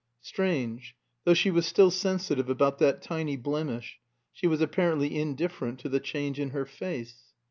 Strange though she was still sensitive about that tiny blemish, she was apparently indifferent to the change in her face.